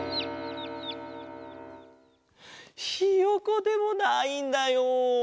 ひよこでもないんだよ。